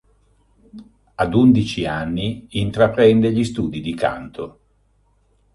Ad undici anni intraprende gli studi di canto.